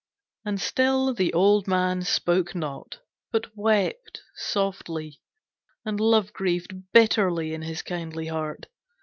And still the old man spoke not, but wept softly; and Love grieved bitterly in his kindly heart.